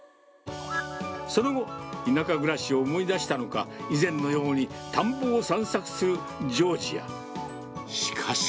その後、田舎暮らしを思い出したのか、以前のように田んぼを散策するジョージア。